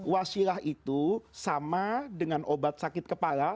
wasilah itu sama dengan obat sakit kepala